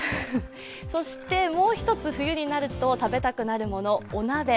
そしてもう一つ、冬になると食べたくなるもの、お鍋。